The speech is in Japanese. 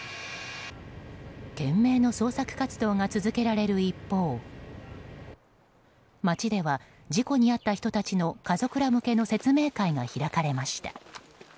懸命の捜索活動が続けられる一方町では事故に遭った人たちの家族ら向けの説明会が開かれました。